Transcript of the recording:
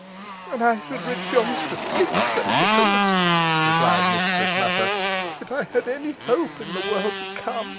"And I should rejoice to think so, Nicholas," replied Mistress Nutter, "if I had any hope in the world to come.